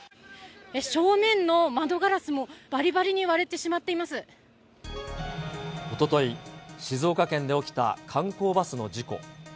正面の窓ガラスも、おととい、静岡県で起きた観光バスの事故。